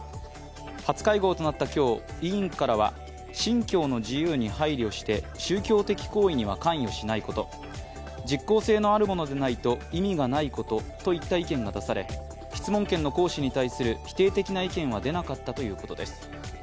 初会合となった今日、委員からは信教の自由に配慮して宗教的行為には関与しないこと、実効性のあるものでないと意味がないことといった意見が出され質問権の行使に対する否定的な意見は出なかったということです。